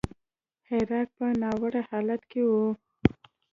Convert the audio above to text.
عراق په ناوړه حالت کې و.